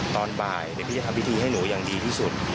ตอนบ่ายเดี๋ยวพี่จะทำพิธีให้หนูอย่างดีที่สุด